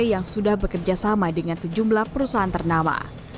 yang sudah bekerja sama dengan sejumlah perusahaan ternama